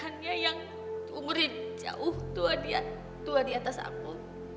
laki laki pilihan yang umur jauh tua di atas aku